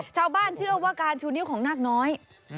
ชาวบ้านเชื่อว่าการชูนิ้วของนาคน้อย